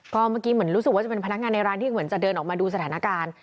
ก็เมื่อกี้เหมือนรู้สึกว่าจะเป็นพนักงานในร้านที่เหมือนจะเดินออกมาดูสถานการณ์